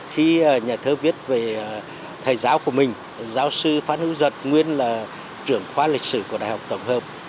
khi nhà thơ viết về thầy giáo của mình giáo sư phán hữu giật nguyên là trưởng khoa lịch sử của đại học tổng hợp